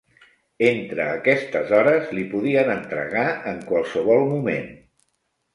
Entre aquestes hores li podrien entregar en qualsevol moment.